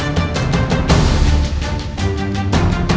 aku adalah murid dari astagila